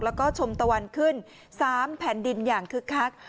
แล้วก็ชมตะวันขึ้น๓แผ่นดินอย่างคึกคัก